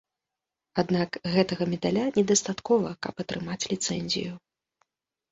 Аднак гэтага медаля недастаткова, каб атрымаць ліцэнзію.